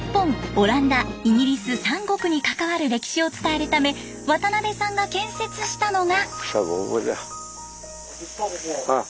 オランダイギリス３国に関わる歴史を伝えるため渡邊さんが建設したのが。